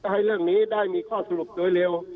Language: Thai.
ให้เรื่องนี้ได้มีข้อสรุปโดยเร็ว